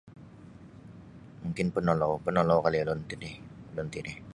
Mungkin ponolou ponolou kali' ulun titi ulun titi.